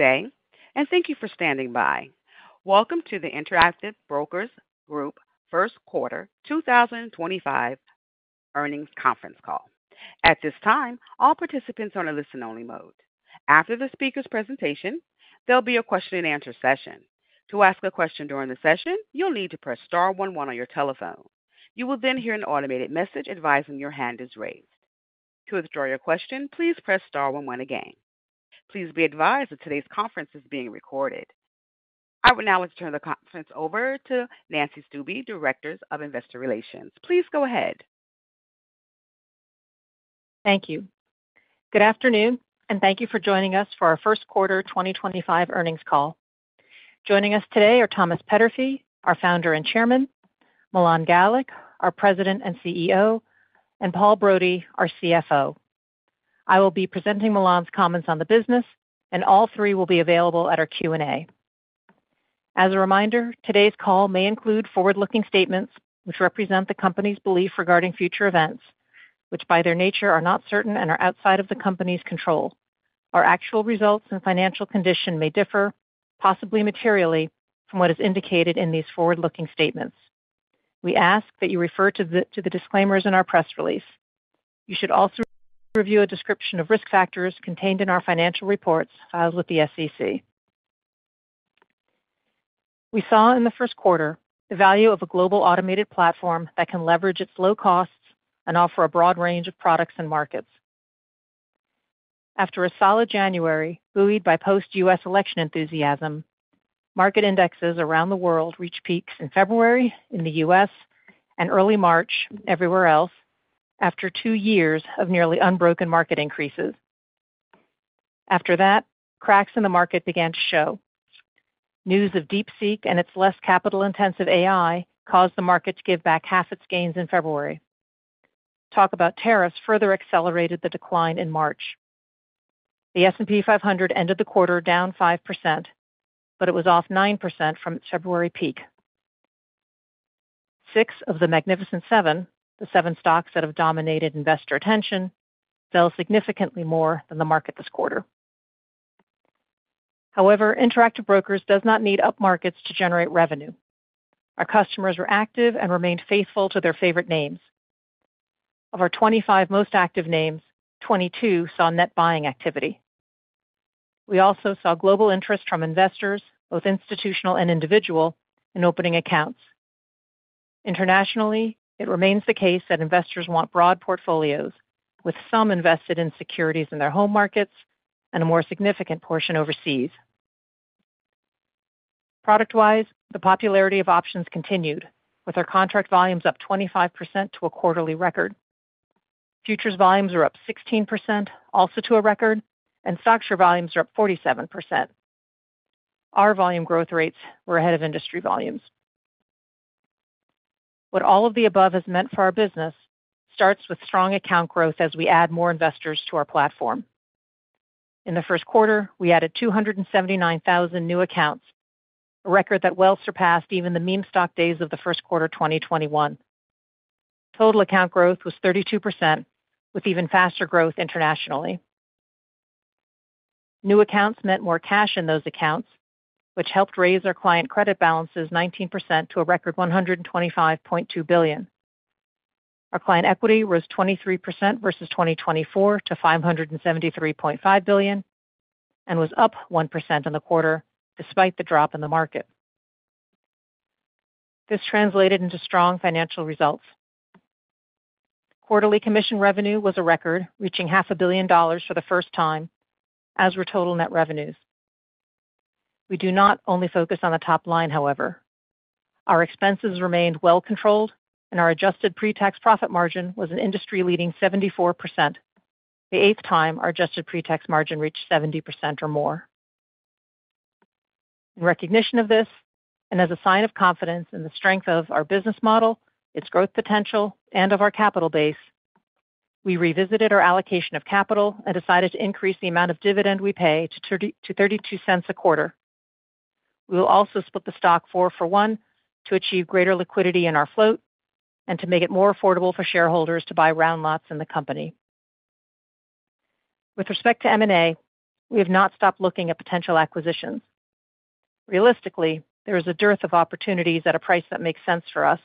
Good day, and thank you for standing by. Welcome to the Interactive Brokers Group First Quarter 2025 Earnings Conference Call. At this time, all participants are in a listen-only mode. After the speaker's presentation, there'll be a question-and-answer session. To ask a question during the session, you'll need to press star one on your telephone. You will then hear an automated message advising your hand is raised. To withdraw your question, please press star one again. Please be advised that today's conference is being recorded. I would now like to turn the conference over to Nancy Stuebe, Director of Investor Relations. Please go ahead. Thank you. Good afternoon, and thank you for joining us for our First Quarter 2025 earnings call. Joining us today are Thomas Peterffy, our founder and Chairman; Milan Galik, our President and CEO; and Paul Brody, our CFO. I will be presenting Milan's comments on the business, and all three will be available at our Q&A. As a reminder, today's call may include forward-looking statements which represent the company's belief regarding future events, which by their nature are not certain and are outside of the company's control. Our actual results and financial condition may differ, possibly materially, from what is indicated in these forward-looking statements. We ask that you refer to the disclaimers in our press release. You should also review a description of risk factors contained in our financial reports filed with the SEC. We saw in the first quarter the value of a global automated platform that can leverage its low costs and offer a broad range of products and markets. After a solid January buoyed by post-U.S. election enthusiasm, market indexes around the world reached peaks in February in the U.S. and early March everywhere else after two years of nearly unbroken market increases. After that, cracks in the market began to show. News of DeepSeek and its less capital-intensive AI caused the market to give back half its gains in February. Talk about tariffs further accelerated the decline in March. The S&P 500 ended the quarter down 5%, but it was off 9% from its February peak. Six of the Magnificent Seven, the seven stocks that have dominated investor attention, fell significantly more than the market this quarter. However, Interactive Brokers does not need up markets to generate revenue. Our customers were active and remained faithful to their favorite names. Of our 25 most active names, 22 saw net buying activity. We also saw global interest from investors, both institutional and individual, in opening accounts. Internationally, it remains the case that investors want broad portfolios, with some invested in securities in their home markets and a more significant portion overseas. Product-wise, the popularity of options continued, with our contract volumes up 25% to a quarterly record. Futures volumes were up 16%, also to a record, and stocks' volumes were up 47%. Our volume growth rates were ahead of industry volumes. What all of the above has meant for our business starts with strong account growth as we add more investors to our platform. In the first quarter, we added 279,000 new accounts, a record that well surpassed even the meme stock days of the first quarter 2021. Total account growth was 32%, with even faster growth internationally. New accounts meant more cash in those accounts, which helped raise our client credit balances 19% to a record $125.2 billion. Our client equity rose 23% versus 2024 to $573.5 billion and was up 1% in the quarter despite the drop in the market. This translated into strong financial results. Quarterly commission revenue was a record, reaching $500,000 for the first time, as were total net revenues. We do not only focus on the top line, however. Our expenses remained well-controlled, and our adjusted pre-tax profit margin was an industry-leading 74%, the eighth time our adjusted pre-tax margin reached 70% or more. In recognition of this, and as a sign of confidence in the strength of our business model, its growth potential, and of our capital base, we revisited our allocation of capital and decided to increase the amount of dividend we pay to $0.32 a quarter. We will also split the stock four for one to achieve greater liquidity in our float and to make it more affordable for shareholders to buy round lots in the company. With respect to M&A, we have not stopped looking at potential acquisitions. Realistically, there is a dearth of opportunities at a price that makes sense for us.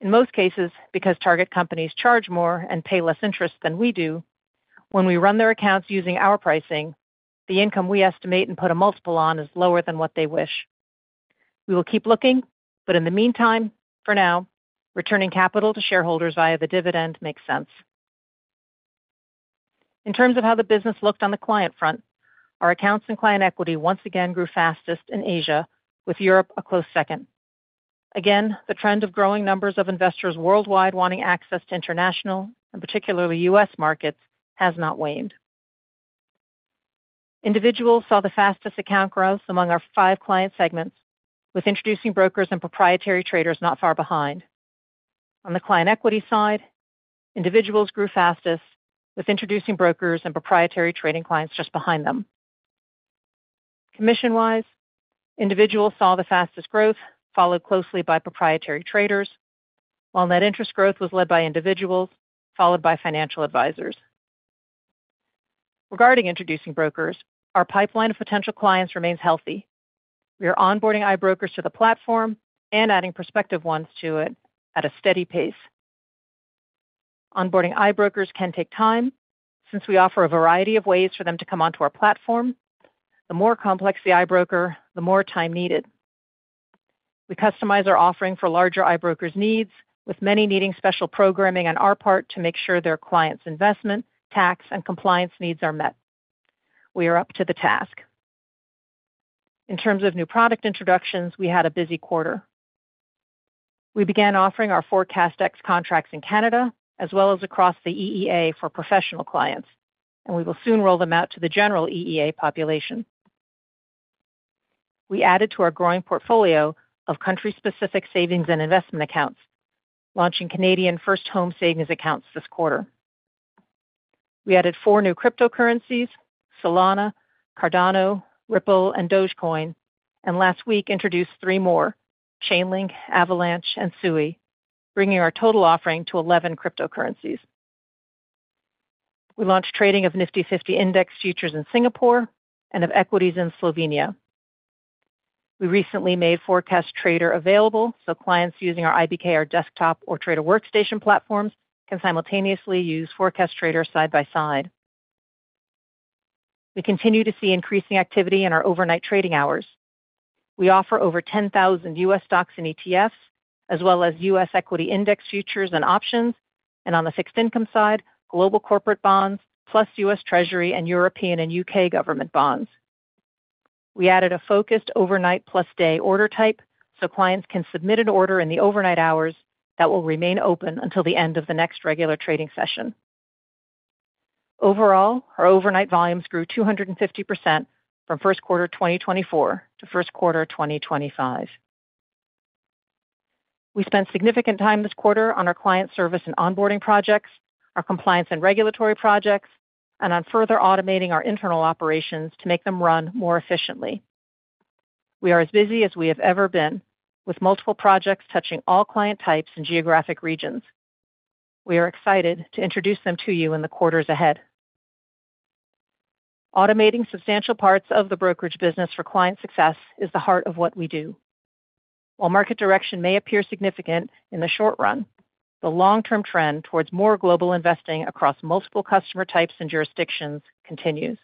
In most cases, because target companies charge more and pay less interest than we do, when we run their accounts using our pricing, the income we estimate and put a multiple on is lower than what they wish. We will keep looking, but in the meantime, for now, returning capital to shareholders via the dividend makes sense. In terms of how the business looked on the client front, our accounts and client equity once again grew fastest in Asia, with Europe a close second. Again, the trend of growing numbers of investors worldwide wanting access to international and particularly U.S. markets has not waned. Individuals saw the fastest account growth among our five client segments, with introducing brokers and proprietary traders not far behind. On the client equity side, individuals grew fastest, with introducing brokers and proprietary trading clients just behind them. Commission-wise, individuals saw the fastest growth, followed closely by proprietary traders, while net interest growth was led by individuals, followed by financial advisors. Regarding introducing brokers, our pipeline of potential clients remains healthy. We are onboarding iBrokers to the platform and adding prospective ones to it at a steady pace. Onboarding iBrokers can take time. Since we offer a variety of ways for them to come onto our platform, the more complex the iBroker, the more time needed. We customize our offering for larger iBrokers' needs, with many needing special programming on our part to make sure their clients' investment, tax, and compliance needs are met. We are up to the task. In terms of new product introductions, we had a busy quarter. We began offering our ForecastEx contracts in Canada as well as across the EEA for professional clients, and we will soon roll them out to the general EEA population. We added to our growing portfolio of country-specific savings and investment accounts, launching Canadian First Home Savings Accounts this quarter. We added four new cryptocurrencies: Solana, Cardano, Ripple, and Dogecoin, and last week introduced three more: Chainlink, Avalanche, and Sui, bringing our total offering to 11 cryptocurrencies. We launched trading of Nifty 50 index futures in Singapore and of equities in Slovenia. We recently made Forecast Trader available so clients using our IBKR Desktop or Trader Workstation platforms can simultaneously use Forecast Trader side by side. We continue to see increasing activity in our overnight trading hours. We offer over 10,000 U.S. stocks and ETFs, as well as U.S. equity index futures and options, and on the fixed income side, global corporate bonds plus U.S. Treasury and European and U.K. government bonds. We added a focused overnight plus day order type so clients can submit an order in the overnight hours that will remain open until the end of the next regular trading session. Overall, our overnight volumes grew 250% from first quarter 2024 to first quarter 2025. We spent significant time this quarter on our client service and onboarding projects, our compliance and regulatory projects, and on further automating our internal operations to make them run more efficiently. We are as busy as we have ever been, with multiple projects touching all client types and geographic regions. We are excited to introduce them to you in the quarters ahead. Automating substantial parts of the brokerage business for client success is the heart of what we do. While market direction may appear significant in the short run, the long-term trend towards more global investing across multiple customer types and jurisdictions continues.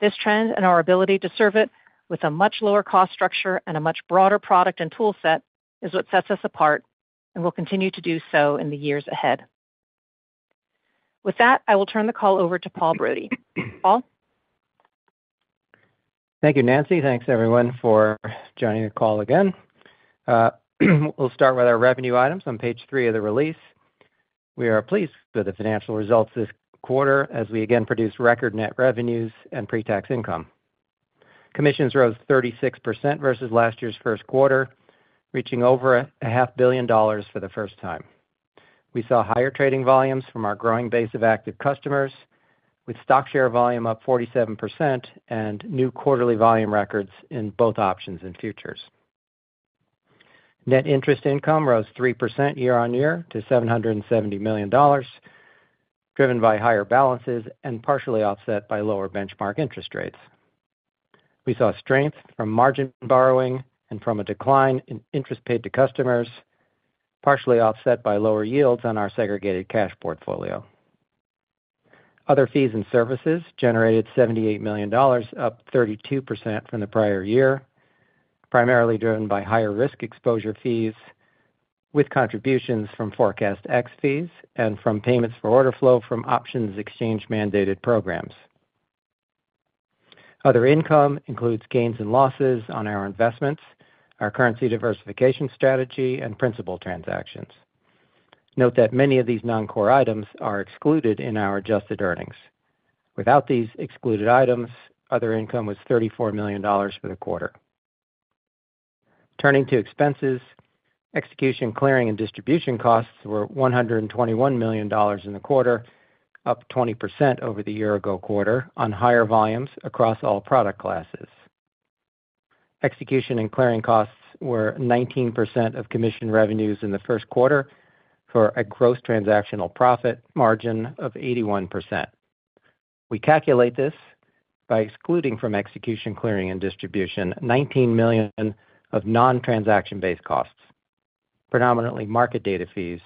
This trend and our ability to serve it with a much lower cost structure and a much broader product and toolset is what sets us apart and will continue to do so in the years ahead. With that, I will turn the call over to Paul Brody. Paul. Thank you, Nancy. Thanks, everyone, for joining the call again. We'll start with our revenue items on page three of the release. We are pleased with the financial results this quarter as we again produced record net revenues and pre-tax income. Commissions rose 36% versus last year's first quarter, reaching over $500,000,000 for the first time. We saw higher trading volumes from our growing base of active customers, with stock share volume up 47% and new quarterly volume records in both options and futures. Net interest income rose 3% year on year to $770,000,000, driven by higher balances and partially offset by lower benchmark interest rates. We saw strength from margin borrowing and from a decline in interest paid to customers, partially offset by lower yields on our segregated cash portfolio. Other fees and services generated $78 million, up 32% from the prior year, primarily driven by higher risk exposure fees, with contributions from ForecastEx fees and from payments for order flow from options exchange-mandated programs. Other income includes gains and losses on our investments, our currency diversification strategy, and principal transactions. Note that many of these non-core items are excluded in our adjusted earnings. Without these excluded items, other income was $34 million for the quarter. Turning to expenses, execution, clearing, and distribution costs were $121 million in the quarter, up 20% over the year-ago quarter on higher volumes across all product classes. Execution and clearing costs were 19% of commission revenues in the first quarter for a gross transactional profit margin of 81%. We calculate this by excluding from execution, clearing, and distribution $19 million of non-transaction-based costs, predominantly market data fees,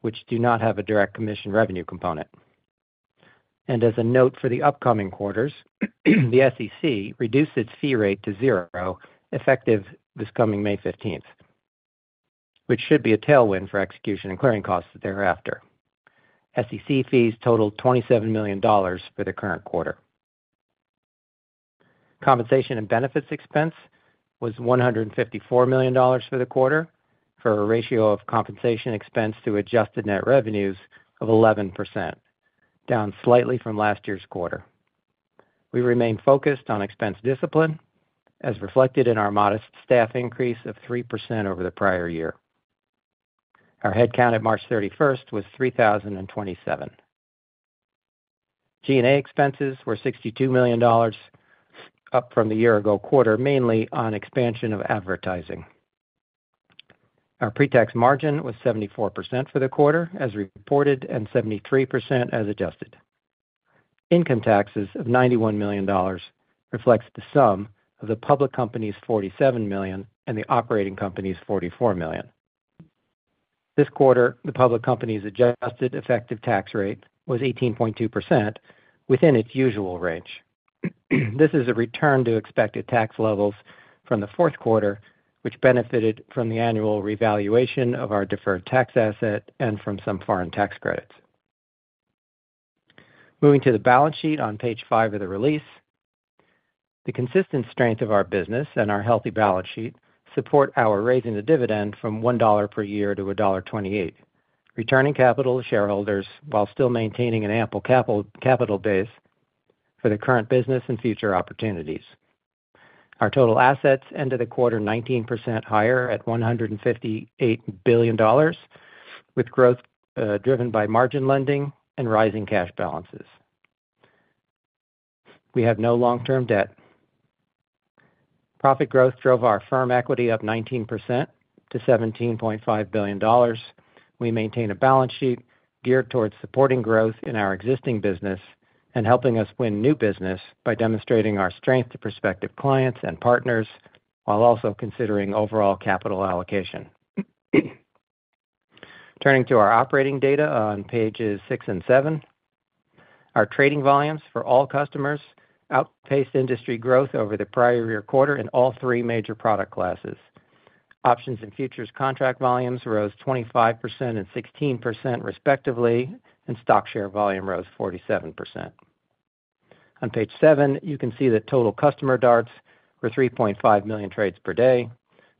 which do not have a direct commission revenue component. As a note for the upcoming quarters, the SEC reduced its fee rate to zero effective this coming May 15, which should be a tailwind for execution and clearing costs thereafter. SEC fees totaled $27 million for the current quarter. Compensation and benefits expense was $154 million for the quarter for a ratio of compensation expense to adjusted net revenues of 11%, down slightly from last year's quarter. We remain focused on expense discipline, as reflected in our modest staff increase of 3% over the prior year. Our headcount at March 31 was 3,027. G&A expenses were $62 million, up from the year-ago quarter mainly on expansion of advertising. Our pre-tax margin was 74% for the quarter, as reported, and 73% as adjusted. Income taxes of $91 million reflects the sum of the public company's $47 million and the operating company's $44 million. This quarter, the public company's adjusted effective tax rate was 18.2%, within its usual range. This is a return to expected tax levels from the fourth quarter, which benefited from the annual revaluation of our deferred tax asset and from some foreign tax credits. Moving to the balance sheet on page five of the release, the consistent strength of our business and our healthy balance sheet support our raising the dividend from $1 per year to $1.28, returning capital to shareholders while still maintaining an ample capital base for the current business and future opportunities. Our total assets ended the quarter 19% higher at $158 billion, with growth driven by margin lending and rising cash balances. We have no long-term debt. Profit growth drove our firm equity up 19% to $17.5 billion. We maintain a balance sheet geared towards supporting growth in our existing business and helping us win new business by demonstrating our strength to prospective clients and partners, while also considering overall capital allocation. Turning to our operating data on pages six and seven, our trading volumes for all customers outpaced industry growth over the prior year quarter in all three major product classes. Options and futures contract volumes rose 25% and 16% respectively, and stock share volume rose 47%. On page seven, you can see that total customer DARTs were 3.5 million trades per day,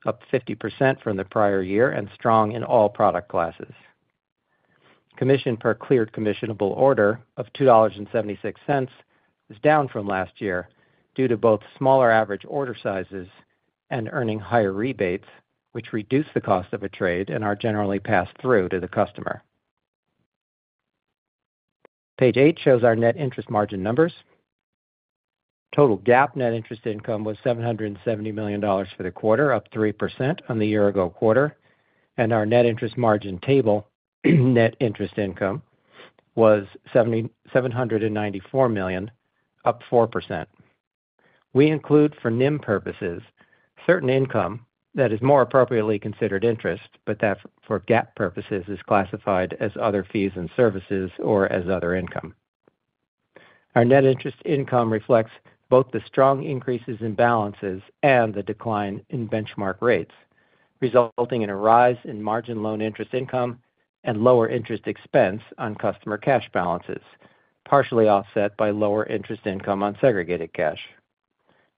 up 50% from the prior year and strong in all product classes. Commission per cleared commissionable order of $2.76 is down from last year due to both smaller average order sizes and earning higher rebates, which reduce the cost of a trade and are generally passed through to the customer. Page eight shows our net interest margin numbers. Total GAAP net interest income was $770 million for the quarter, up 3% on the year-ago quarter, and our net interest margin table, net interest income, was $794 million, up 4%. We include for NIM purposes certain income that is more appropriately considered interest, but that for GAAP purposes is classified as other fees and services or as other income. Our net interest income reflects both the strong increases in balances and the decline in benchmark rates, resulting in a rise in margin loan interest income and lower interest expense on customer cash balances, partially offset by lower interest income on segregated cash.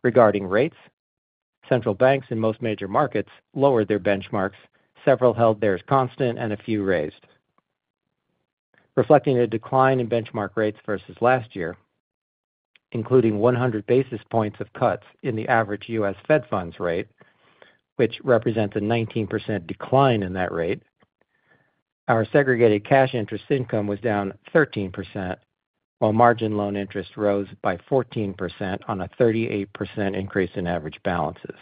Regarding rates, central banks in most major markets lowered their benchmarks. Several held theirs constant and a few raised. Reflecting a decline in benchmark rates versus last year, including 100 basis points of cuts in the average U.S. Fed funds rate, which represents a 19% decline in that rate, our segregated cash interest income was down 13%, while margin loan interest rose by 14% on a 38% increase in average balances.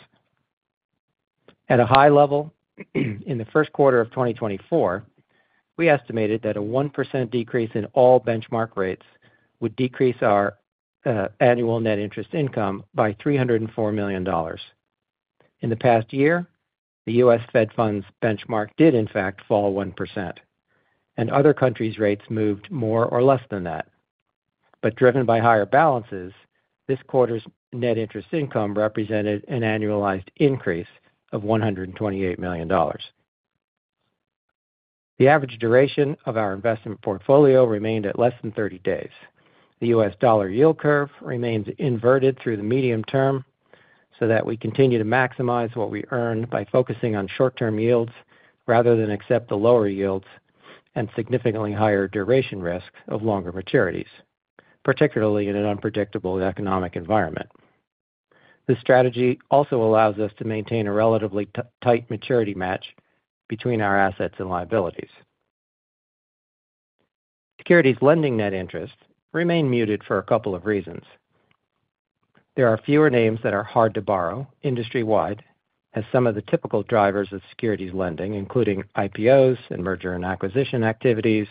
At a high level, in the first quarter of 2024, we estimated that a 1% decrease in all benchmark rates would decrease our annual net interest income by $304 million. In the past year, the U.S. Fed funds benchmark did, in fact, fall 1%, and other countries' rates moved more or less than that. Driven by higher balances, this quarter's net interest income represented an annualized increase of $128 million. The average duration of our investment portfolio remained at less than 30 days. The U.S. dollar yield curve remains inverted through the medium term so that we continue to maximize what we earn by focusing on short-term yields rather than accept the lower yields and significantly higher duration risk of longer maturities, particularly in an unpredictable economic environment. This strategy also allows us to maintain a relatively tight maturity match between our assets and liabilities. Securities lending net interest remained muted for a couple of reasons. There are fewer names that are hard to borrow industry-wide, as some of the typical drivers of securities lending, including IPOs and merger and acquisition activities,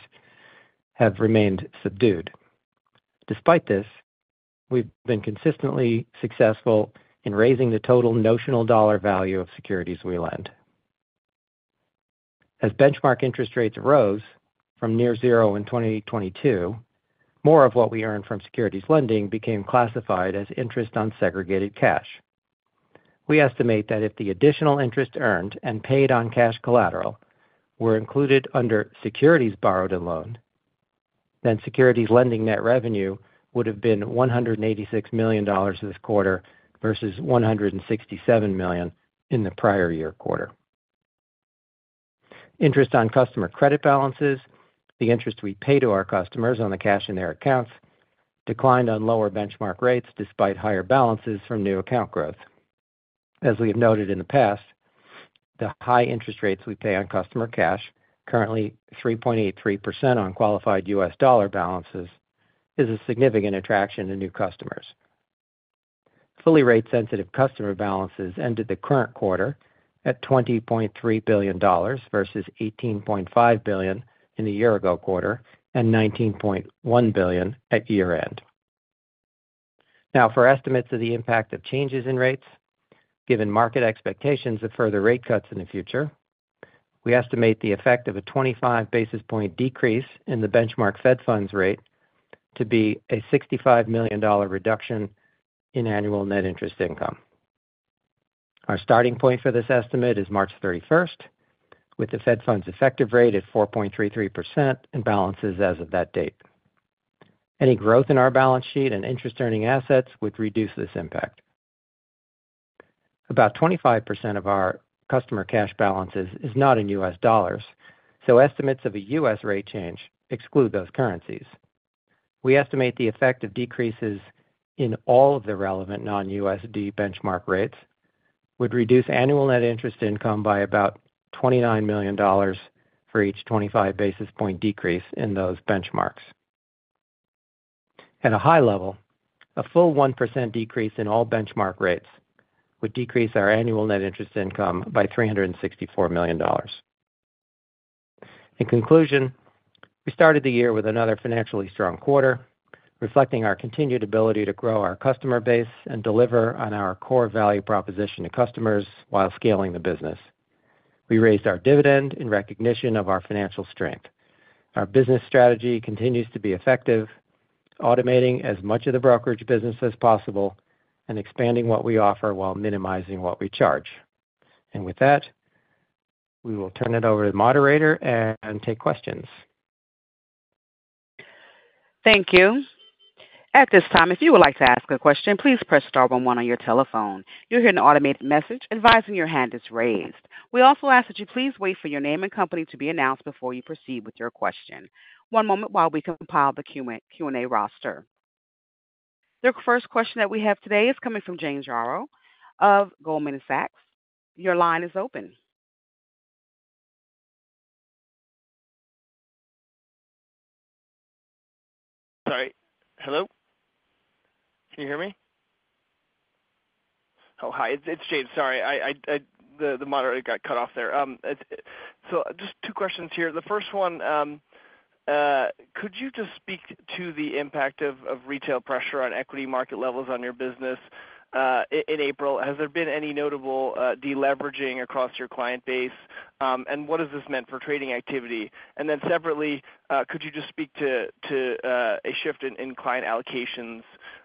have remained subdued. Despite this, we've been consistently successful in raising the total notional dollar value of securities we lend. As benchmark interest rates rose from near zero in 2022, more of what we earned from securities lending became classified as interest on segregated cash. We estimate that if the additional interest earned and paid on cash collateral were included under securities borrowed and loaned, then securities lending net revenue would have been $186 million this quarter versus $167 million in the prior year quarter. Interest on customer credit balances, the interest we pay to our customers on the cash in their accounts, declined on lower benchmark rates despite higher balances from new account growth. As we have noted in the past, the high interest rates we pay on customer cash, currently 3.83% on qualified U.S. dollar balances, is a significant attraction to new customers. Fully rate-sensitive customer balances ended the current quarter at $20.3 billion versus $18.5 billion in the year-ago quarter and $19.1 billion at year-end. Now, for estimates of the impact of changes in rates, given market expectations of further rate cuts in the future, we estimate the effect of a 25 basis point decrease in the benchmark Fed funds rate to be a $65 million reduction in annual net interest income. Our starting point for this estimate is March 31, with the Fed funds effective rate at 4.33% and balances as of that date. Any growth in our balance sheet and interest-earning assets would reduce this impact. About 25% of our customer cash balances is not in U.S. dollars, so estimates of a U.S. rate change exclude those currencies. We estimate the effect of decreases in all of the relevant non-U.S. benchmark rates would reduce annual net interest income by about $29 million for each 25 basis point decrease in those benchmarks. At a high level, a full 1% decrease in all benchmark rates would decrease our annual net interest income by $364 million. In conclusion, we started the year with another financially strong quarter, reflecting our continued ability to grow our customer base and deliver on our core value proposition to customers while scaling the business. We raised our dividend in recognition of our financial strength. Our business strategy continues to be effective, automating as much of the brokerage business as possible and expanding what we offer while minimizing what we charge. With that, we will turn it over to the moderator and take questions. Thank you. At this time, if you would like to ask a question, please press star one on your telephone. You'll hear an automated message advising your hand is raised. We also ask that you please wait for your name and company to be announced before you proceed with your question. One moment while we compile the Q&A roster. The first question that we have today is coming from James Yaro of Goldman Sachs. Your line is open. Sorry. Hello? Can you hear me? Oh, hi. It's James. Sorry. The moderator got cut off there. Just two questions here. The first one, could you just speak to the impact of retail pressure on equity market levels on your business in April? Has there been any notable deleveraging across your client base? What has this meant for trading activity? Separately, could you just speak to a shift in client allocations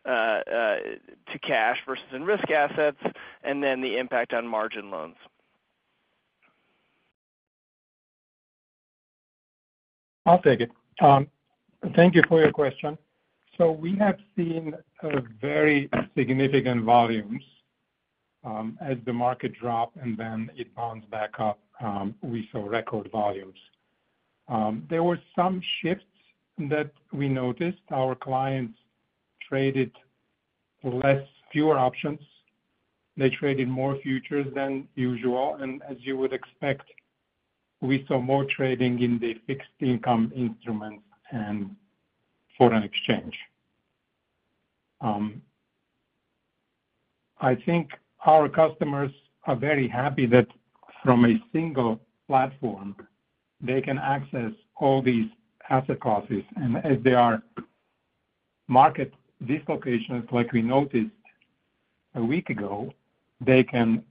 to cash versus in risk assets and the impact on margin loans? I'll take it. Thank you for your question. We have seen very significant volumes as the market dropped and then it bounced back up. We saw record volumes. There were some shifts that we noticed. Our clients traded fewer options. They traded more futures than usual. As you would expect, we saw more trading in the fixed income instruments and foreign exchange. I think our customers are very happy that from a single platform, they can access all these asset classes. As there are market dislocations, like we noticed a week ago, they can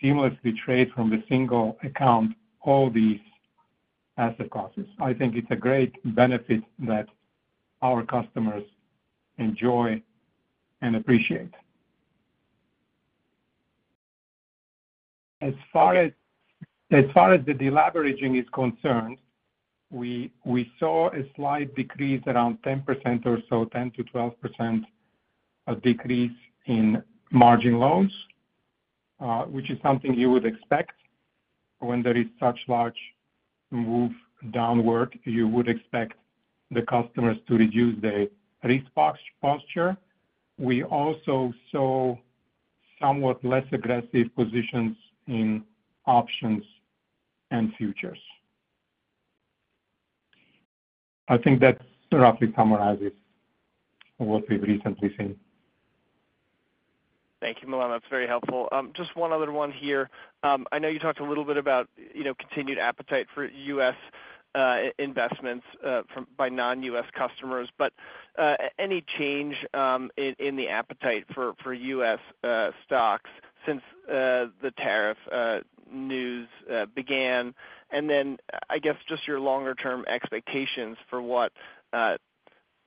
seamlessly trade from the single account all these asset classes. I think it's a great benefit that our customers enjoy and appreciate. As far as the deleveraging is concerned, we saw a slight decrease, around 10% or so, 10-12% decrease in margin loans, which is something you would expect. When there is such a large move downward, you would expect the customers to reduce their risk posture. We also saw somewhat less aggressive positions in options and futures. I think that roughly summarizes what we've recently seen. Thank you, Milan. That's very helpful. Just one other one here. I know you talked a little bit about continued appetite for U.S. investments by non-U.S. customers, but any change in the appetite for U.S. stocks since the tariff news began? I guess just your longer-term expectations for what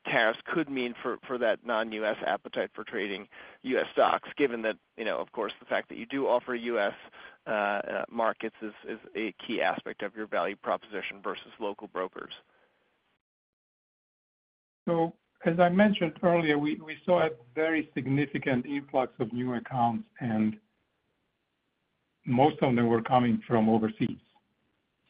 tariffs could mean for that non-U.S. appetite for trading U.S. stocks, given that, of course, the fact that you do offer U.S. markets is a key aspect of your value proposition versus local brokers? As I mentioned earlier, we saw a very significant influx of new accounts, and most of them were coming from overseas.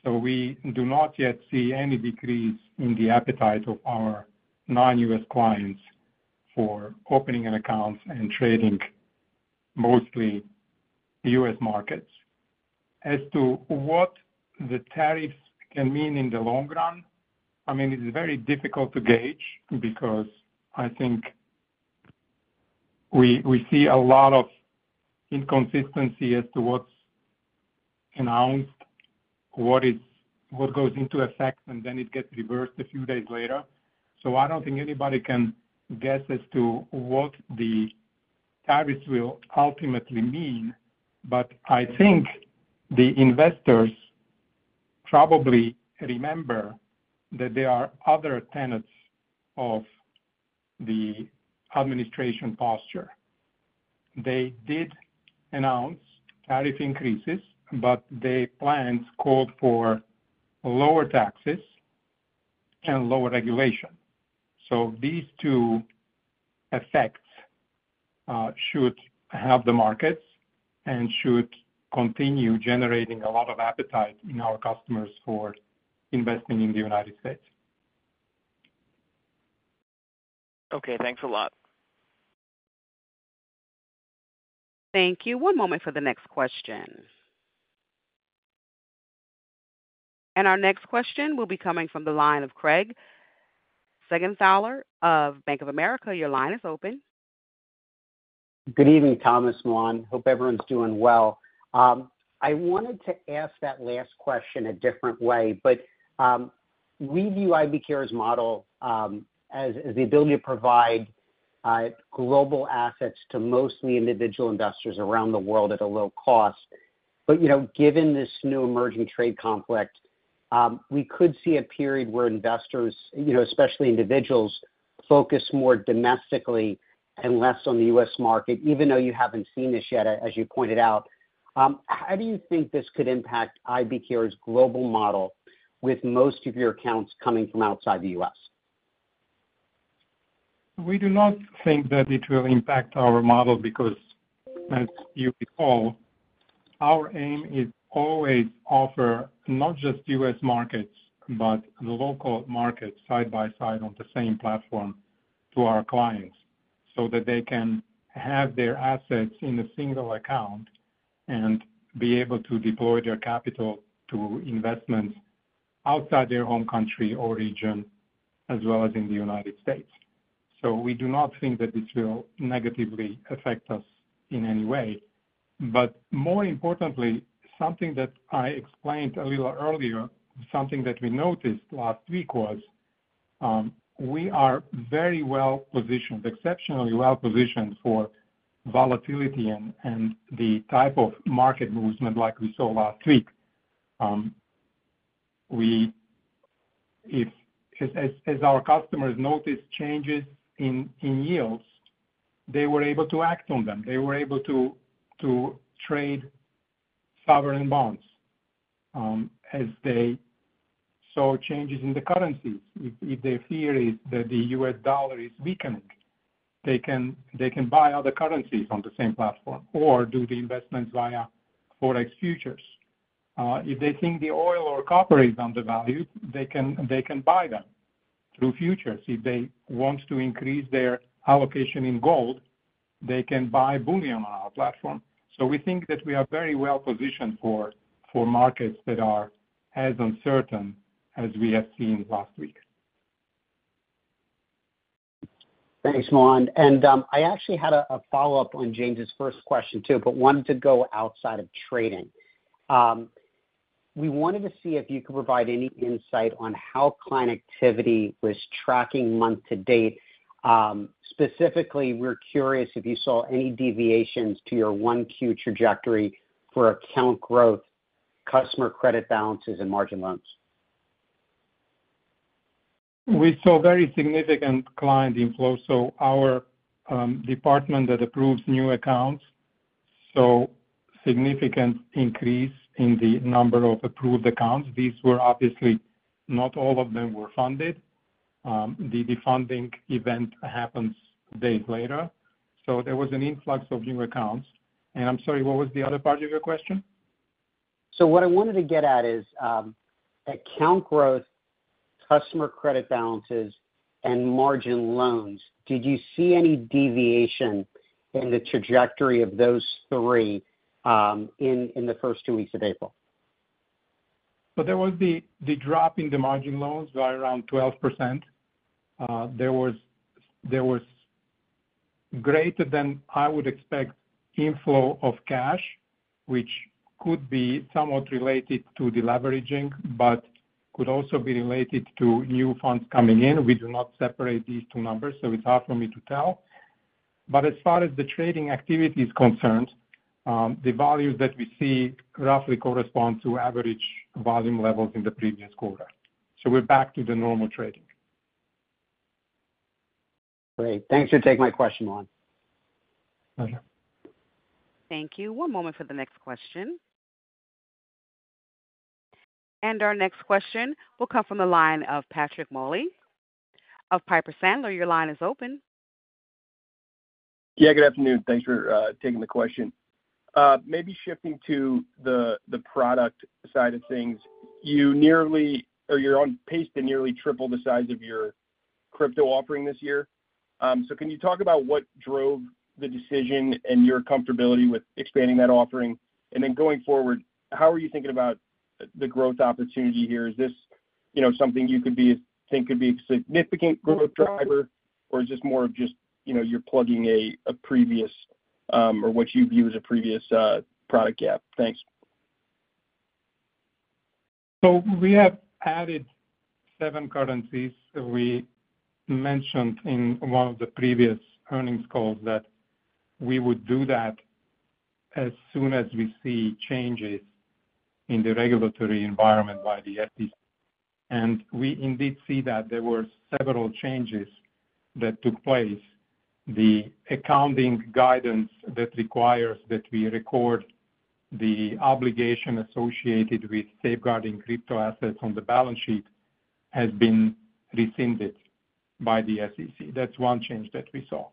We do not yet see any decrease in the appetite of our non-U.S. clients for opening accounts and trading mostly U.S. markets. As to what the tariffs can mean in the long run, I mean, it's very difficult to gauge because I think we see a lot of inconsistency as to what's announced, what goes into effect, and then it gets reversed a few days later. I don't think anybody can guess as to what the tariffs will ultimately mean, but I think the investors probably remember that there are other tenets of the administration posture. They did announce tariff increases, but their plans called for lower taxes and lower regulation. These two effects should help the markets and should continue generating a lot of appetite in our customers for investing in the United States. Okay. Thanks a lot. Thank you. One moment for the next question. Our next question will be coming from the line of Craig Siegenthaler of Bank of America. Your line is open. Good evening, Thomas, Milan. Hope everyone's doing well. I wanted to ask that last question a different way, but we view IBKR's model as the ability to provide global assets to mostly individual investors around the world at a low cost. Given this new emerging trade conflict, we could see a period where investors, especially individuals, focus more domestically and less on the U.S. market, even though you haven't seen this yet, as you pointed out. How do you think this could impact IBKR's global model with most of your accounts coming from outside the U.S.? We do not think that it will impact our model because, as you recall, our aim is always to offer not just U.S. markets but local markets side by side on the same platform to our clients so that they can have their assets in a single account and be able to deploy their capital to investments outside their home country or region, as well as in the United States. We do not think that this will negatively affect us in any way. More importantly, something that I explained a little earlier, something that we noticed last week was we are very well positioned, exceptionally well positioned for volatility and the type of market movement like we saw last week. As our customers noticed changes in yields, they were able to act on them. They were able to trade sovereign bonds as they saw changes in the currencies. If their fear is that the U.S. Dollar is weakening, they can buy other currencies on the same platform or do the investments via forex futures. If they think the oil or copper is undervalued, they can buy them through futures. If they want to increase their allocation in gold, they can buy bullion on our platform. We think that we are very well positioned for markets that are as uncertain as we have seen last week. Thanks, Milan. I actually had a follow-up on James' first question too, but wanted to go outside of trading. We wanted to see if you could provide any insight on how client activity was tracking month to date. Specifically, we're curious if you saw any deviations to your Q1 trajectory for account growth, customer credit balances, and margin loans. We saw very significant client inflow. Our department that approves new accounts saw a significant increase in the number of approved accounts. These were obviously not all of them were funded. The funding event happens days later. There was an influx of new accounts. I'm sorry, what was the other part of your question? What I wanted to get at is account growth, customer credit balances, and margin loans. Did you see any deviation in the trajectory of those three in the first two weeks of April? There was the drop in the margin loans by around 12%. There was greater than I would expect inflow of cash, which could be somewhat related to the leveraging but could also be related to new funds coming in. We do not separate these two numbers, so it's hard for me to tell. As far as the trading activity is concerned, the values that we see roughly correspond to average volume levels in the previous quarter. We are back to the normal trading. Great. Thanks for taking my question, Milan. Pleasure. Thank you. One moment for the next question. Our next question will come from the line of Patrick Moley of Piper Sandler. Your line is open. Yeah. Good afternoon. Thanks for taking the question. Maybe shifting to the product side of things, you are on pace to nearly triple the size of your crypto offering this year. Can you talk about what drove the decision and your comfortability with expanding that offering? Going forward, how are you thinking about the growth opportunity here? Is this something you think could be a significant growth driver, or is this more of just you're plugging a previous or what you view as a previous product gap? Thanks. We have added seven currencies. We mentioned in one of the previous earnings calls that we would do that as soon as we see changes in the regulatory environment by the SEC. We indeed see that there were several changes that took place. The accounting guidance that requires that we record the obligation associated with safeguarding crypto assets on the balance sheet has been rescinded by the SEC. That is one change that we saw.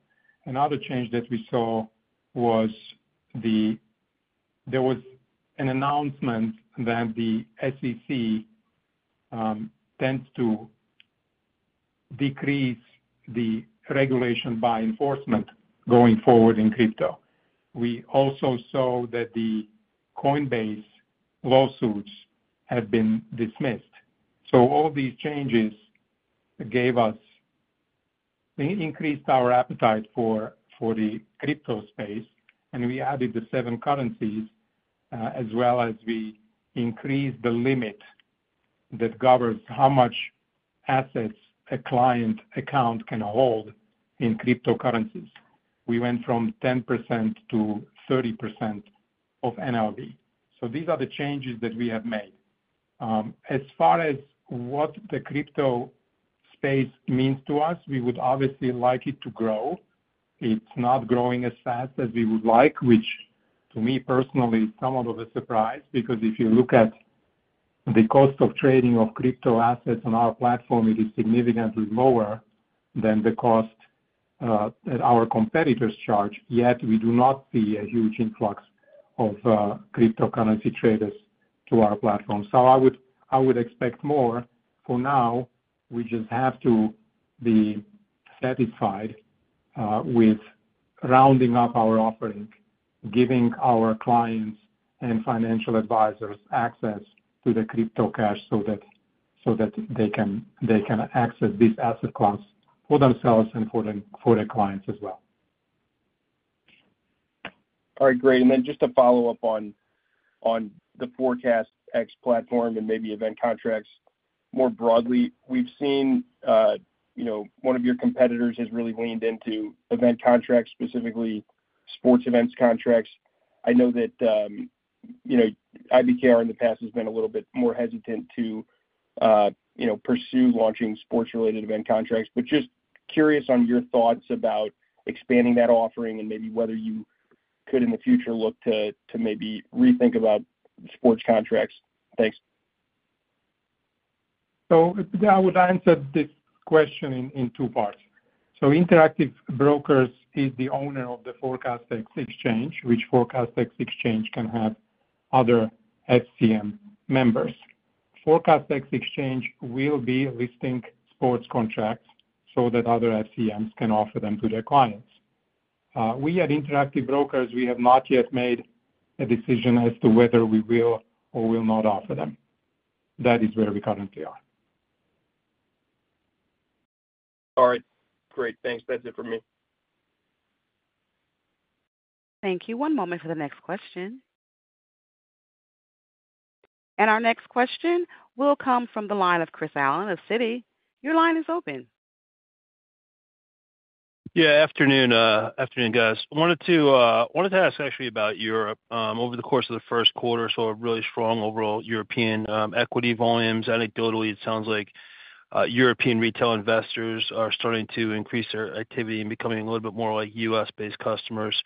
Another change that we saw was there was an announcement that the SEC tends to decrease the regulation by enforcement going forward in crypto. We also saw that the Coinbase lawsuits have been dismissed. All these changes increased our appetite for the crypto space, and we added the seven currencies as well as we increased the limit that governs how much assets a client account can hold in cryptocurrencies. We went from 10% to 30% of NLV. These are the changes that we have made. As far as what the crypto space means to us, we would obviously like it to grow. It's not growing as fast as we would like, which to me personally is somewhat of a surprise because if you look at the cost of trading of crypto assets on our platform, it is significantly lower than the cost that our competitors charge. Yet we do not see a huge influx of cryptocurrency traders to our platform. I would expect more. For now, we just have to be satisfied with rounding up our offering, giving our clients and financial advisors access to the crypto cash so that they can access these asset classes for themselves and for their clients as well. All right. Great. And then just to follow up on the ForecastEx platform and maybe event contracts more broadly, we've seen one of your competitors has really leaned into event contracts, specifically sports events contracts. I know that IBKR in the past has been a little bit more hesitant to pursue launching sports-related event contracts, but just curious on your thoughts about expanding that offering and maybe whether you could in the future look to maybe rethink about sports contracts. Thanks. I would answer this question in two parts. Interactive Brokers is the owner of the ForecastEx exchange, which ForecastEx exchange can have other FCM members. ForecastEx exchange will be listing sports contracts so that other FCMs can offer them to their clients. We at Interactive Brokers, we have not yet made a decision as to whether we will or will not offer them. That is where we currently are. All right. Great. Thanks. That's it for me. Thank you. One moment for the next question. Our next question will come from the line of Chris Allen of Citigroup. Your line is open. Yeah. Afternoon, guys. I wanted to ask actually about Europe. Over the course of the first quarter, I saw really strong overall European equity volumes. Anecdotally, it sounds like European retail investors are starting to increase their activity and becoming a little bit more like U.S.-based customers.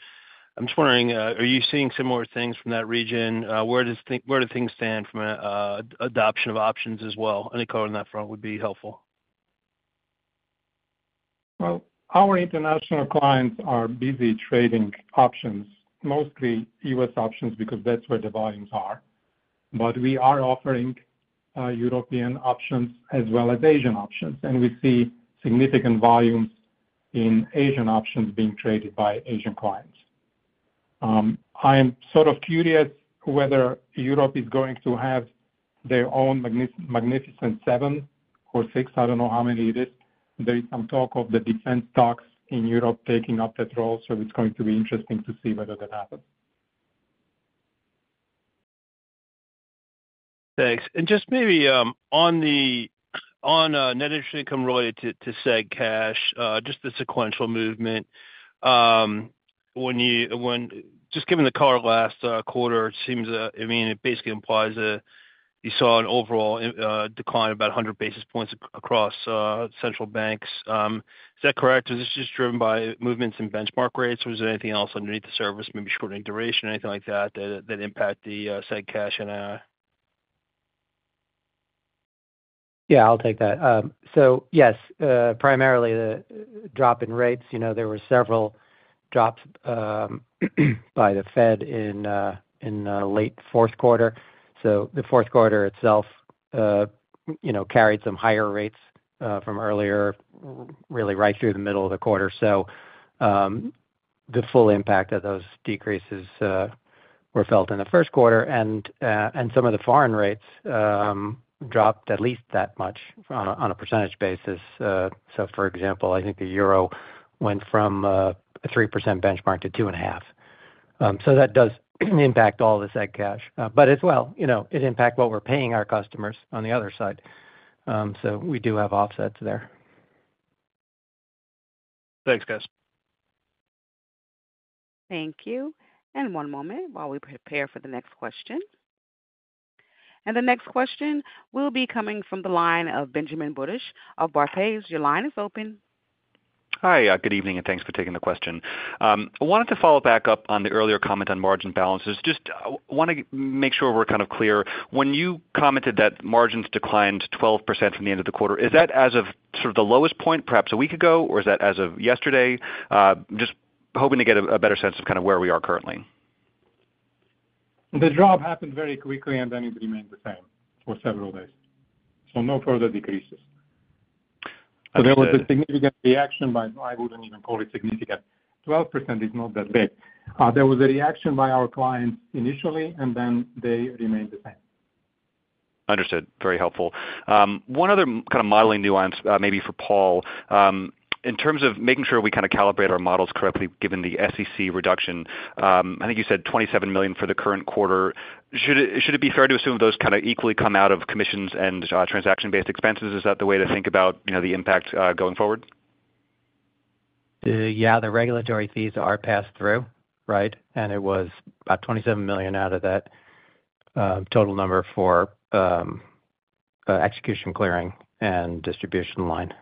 I'm just wondering, are you seeing similar things from that region? Where do things stand from adoption of options as well? Any color on that front would be helpful. Our international clients are busy trading options, mostly U.S. options because that's where the volumes are. We are offering European options as well as Asian options, and we see significant volumes in Asian options being traded by Asian clients. I am sort of curious whether Europe is going to have their own Magnificent Seven or Six. I don't know how many it is. There is some talk of the defense stocks in Europe taking up that role, so it's going to be interesting to see whether that happens. Thanks. Just maybe on net interest income related to SEGCASH, just the sequential movement, just given the color last quarter, it seems that, I mean, it basically implies that you saw an overall decline of about 100 basis points across central banks. Is that correct? Was this just driven by movements in benchmark rates, or is there anything else underneath the surface, maybe shortening duration, anything like that that impact the SEGCASH in a? Yeah, I'll take that. Yes, primarily the drop in rates. There were several drops by the Fed in late fourth quarter. The fourth quarter itself carried some higher rates from earlier, really right through the middle of the quarter. The full impact of those decreases were felt in the first quarter. Some of the foreign rates dropped at least that much on a percentage basis. For example, I think the euro went from a 3% benchmark to 2.5%. That does impact all the SEGCASH. As well, it impacts what we're paying our customers on the other side. We do have offsets there. Thanks, guys. Thank you. One moment while we prepare for the next question. The next question will be coming from the line of Benjamin Budish of Barclays. Your line is open. Hi. Good evening, and thanks for taking the question. I wanted to follow back up on the earlier comment on margin balances. Just want to make sure we're kind of clear. When you commented that margins declined 12% from the end of the quarter, is that as of sort of the lowest point, perhaps a week ago, or is that as of yesterday? Just hoping to get a better sense of kind of where we are currently. The drop happened very quickly, and then it remained the same for several days. No further decreases. There was a significant reaction, but I would not even call it significant. 12% is not that big. There was a reaction by our clients initially, and then they remained the same. Understood. Very helpful. One other kind of modeling nuance, maybe for Paul, in terms of making sure we kind of calibrate our models correctly given the SEC fee reduction. I think you said $27 million for the current quarter. Should it be fair to assume those kind of equally come out of commissions and transaction-based expenses? Is that the way to think about the impact going forward? Yeah. The regulatory fees are passed through, right? It was about $27 million out of that total number for execution, clearing, and distribution line.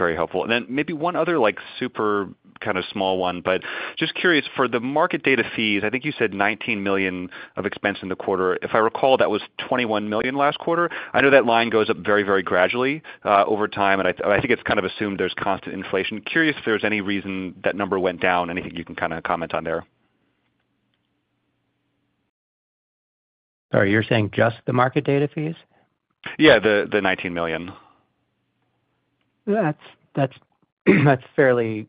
Very helpful. Maybe one other super kind of small one, but just curious, for the market data fees, I think you said $19 million of expense in the quarter. If I recall, that was $21 million last quarter. I know that line goes up very, very gradually over time, and I think it's kind of assumed there's constant inflation. Curious if there was any reason that number went down, anything you can kind of comment on there. Sorry, you're saying just the market data fees? Yeah, the $19 million. That's fairly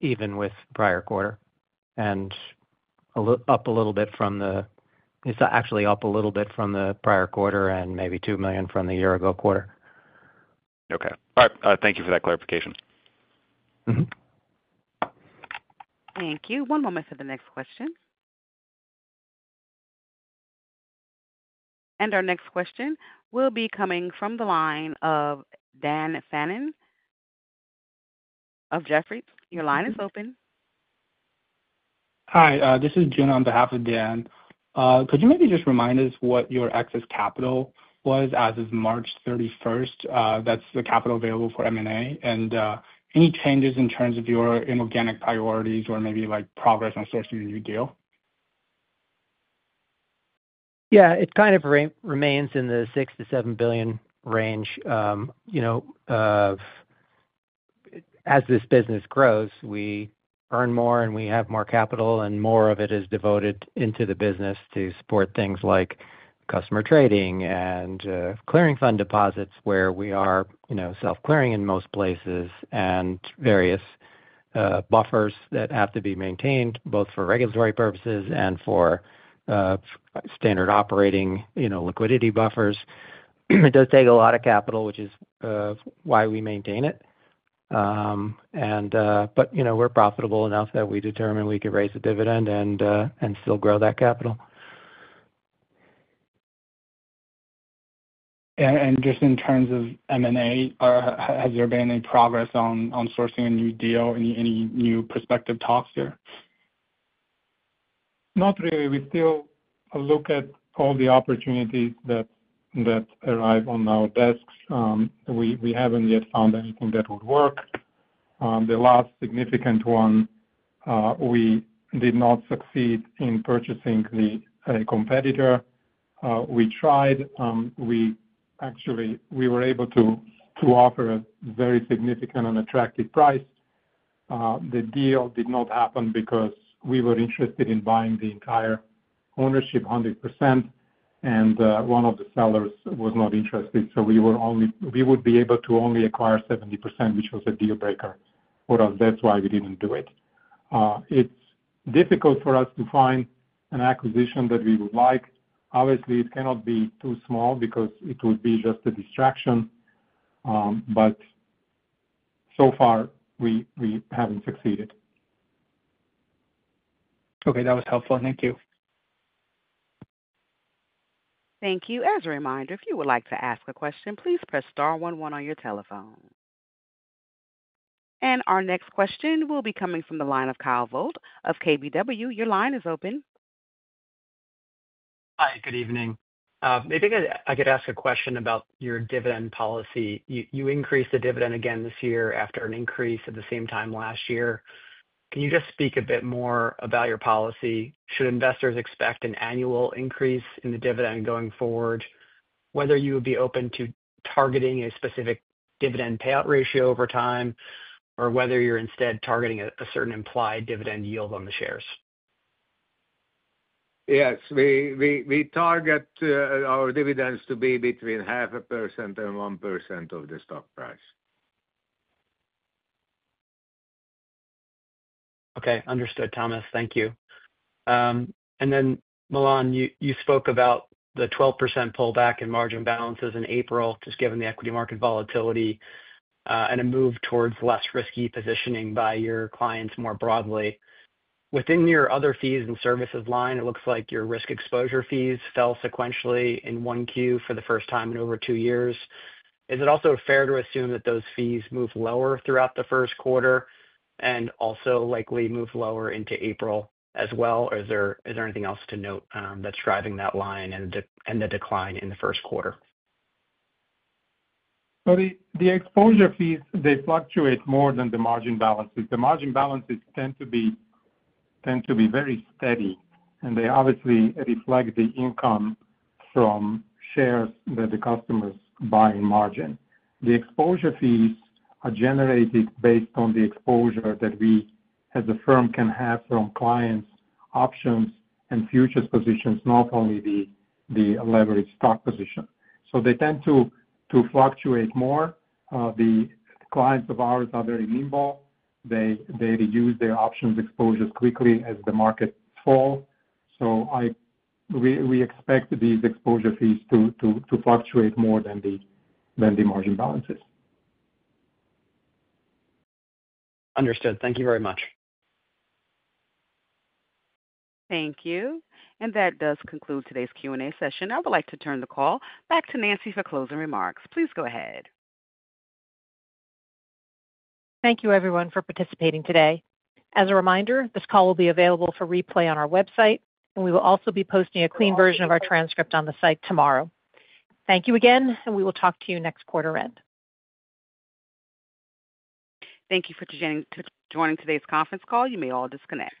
even with prior quarter and up a little bit from the—it's actually up a little bit from the prior quarter and maybe $2 million from the year-ago quarter. Okay. All right. Thank you for that clarification. Thank you. One moment for the next question. Our next question will be coming from the line of Dan Fannon of Jefferies. Your line is open. Hi. This is Jun on behalf of Dan. Could you maybe just remind us what your excess capital was as of March 31? That's the capital available for M&A and any changes in terms of your inorganic priorities or maybe progress on sourcing a new deal? Yeah. It kind of remains in the $6 billion-$7 billion range as this business grows, we earn more and we have more capital, and more of it is devoted into the business to support things like customer trading and clearing fund deposits where we are self-clearing in most places and various buffers that have to be maintained both for regulatory purposes and for standard operating liquidity buffers. It does take a lot of capital, which is why we maintain it. We are profitable enough that we determined we could raise a dividend and still grow that capital. Just in terms of M&A, has there been any progress on sourcing a new deal, any new prospective talks here? Not really. We still look at all the opportunities that arrive on our desks. We have not yet found anything that would work. The last significant one, we did not succeed in purchasing the competitor. We tried. Actually, we were able to offer a very significant and attractive price. The deal did not happen because we were interested in buying the entire ownership 100%, and one of the sellers was not interested. We would be able to only acquire 70%, which was a deal breaker. That is why we did not do it. It's difficult for us to find an acquisition that we would like. Obviously, it cannot be too small because it would be just a distraction. But so far, we haven't succeeded. Okay. That was helpful. Thank you. Thank you. As a reminder, if you would like to ask a question, please press star one on your telephone. Our next question will be coming from the line of Kyle Voigt of KBW. Your line is open. Hi. Good evening. Maybe I could ask a question about your dividend policy. You increased the dividend again this year after an increase at the same time last year. Can you just speak a bit more about your policy? Should investors expect an annual increase in the dividend going forward, whether you would be open to targeting a specific dividend payout ratio over time or whether you're instead targeting a certain implied dividend yield on the shares? Yes. We target our dividends to be between 0.5% and 1% of the stock price. Okay. Understood, Thomas. Thank you. Milan, you spoke about the 12% pullback in margin balances in April, just given the equity market volatility and a move towards less risky positioning by your clients more broadly. Within your other fees and services line, it looks like your risk exposure fees fell sequentially in Q1 for the first time in over two years. Is it also fair to assume that those fees move lower throughout the first quarter and also likely move lower into April as well? Is there anything else to note that's driving that line and the decline in the first quarter? The exposure fees, they fluctuate more than the margin balances. The margin balances tend to be very steady, and they obviously reflect the income from shares that the customers buy in margin. The exposure fees are generated based on the exposure that we, as a firm, can have from clients, options, and futures positions, not only the leveraged stock position. They tend to fluctuate more. The clients of ours are very nimble. They reduce their options exposures quickly as the markets fall. We expect these exposure fees to fluctuate more than the margin balances. Understood. Thank you very much. Thank you. That does conclude today's Q&A session. I would like to turn the call back to Nancy for closing remarks. Please go ahead. Thank you, everyone, for participating today. As a reminder, this call will be available for replay on our website, and we will also be posting a clean version of our transcript on the site tomorrow. Thank you again, and we will talk to you next quarter end. Thank you for joining today's conference call. You may all disconnect.